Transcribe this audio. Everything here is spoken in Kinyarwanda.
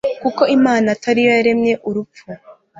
kuko imana atari yo yaremye urupfu